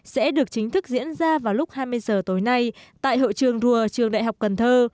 sẽ được chính thức diễn ra vào lúc hai mươi h tối nay tại hội trường rùa trường đại học cần thơ